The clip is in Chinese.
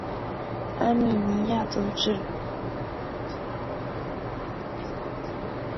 阿米尼亚阻止罗马帝国入侵德国北部的传奇英雄。